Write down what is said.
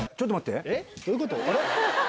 どういうこと？